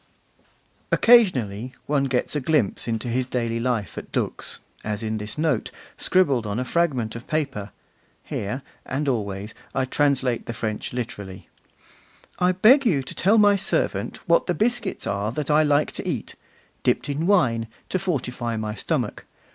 Occasionally, one gets a glimpse into his daily life at Dux, as in this note, scribbled on a fragment of paper (here and always I translate the French literally): 'I beg you to tell my servant what the biscuits are that I like to eat; dipped in wine, to fortify my stomach.